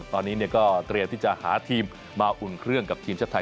ตอนนี้ก็เตรียมที่จะหาทีมมาอุ่นเครื่องกับทีมชาติไทย